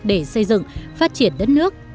để xây dựng phát triển đất nước